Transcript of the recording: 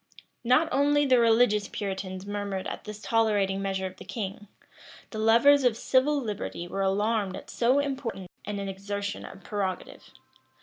Not only the religious Puritans murmured at this tolerating measure of the king; the lovers of civil liberty were alarmed at so important an exertion of prerogative.